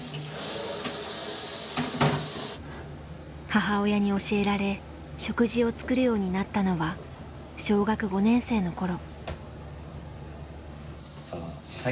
母親に教えられ食事を作るようになったのは小学５年生の頃。